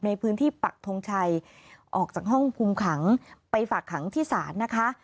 ในพื้นที่ปักทงชัยออกจากห้องคุมขังไปฝากขังที่ศาลนะคะ